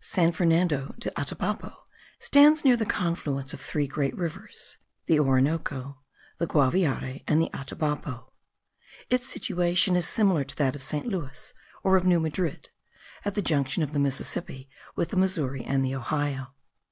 San Fernando de Atabapo stands near the confluence of three great rivers; the Orinoco, the Guaviare, and the Atabapo. Its situation is similar to that of Saint Louis or of New Madrid, at the junction of the Mississippi with the Missouri and the Ohio.